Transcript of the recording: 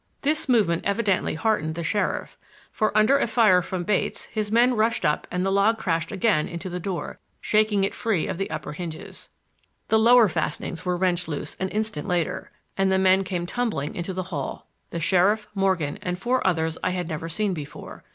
This movement evidently heartened the sheriff, for, under a fire from Bates, his men rushed up and the log crashed again into the door, shaking it free of the upper hinges. The lower fastenings were wrenched loose an instant later, and the men came tumbling into the hall, —the sheriff, Morgan and four others I had never seen before.